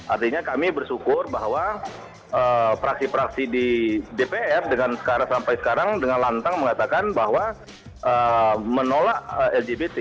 artinya kami bersyukur bahwa praksi praksi di dpr dengan sekarang sampai sekarang dengan lantang mengatakan bahwa menolak lgbt